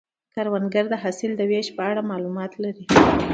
کروندګر د حاصل د ویش په اړه معلومات لري